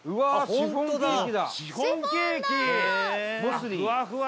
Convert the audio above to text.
シフォンケーキだ！